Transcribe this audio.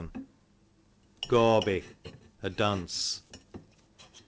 Gawby, a dunce.